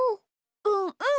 うんうん！